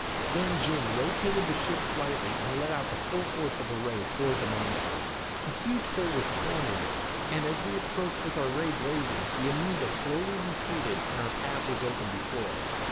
Then Jim rotated the ship slightly and let out the full force of the ray toward the monster. A huge hole was torn in it, and as we approached with our ray blazing, the amoeba slowly retreated and our path was open before us.